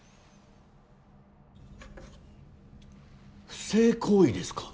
不正行為ですか？